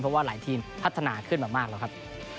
เพราะว่าหลายทีมพัฒนาขึ้นมามากแล้วครับ